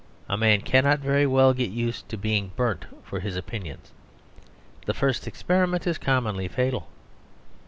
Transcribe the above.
A man cannot very well get used to being burnt for his opinions; the first experiment is commonly fatal.